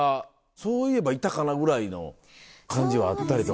「そういえばいたかな」ぐらいの感じはあったりとか？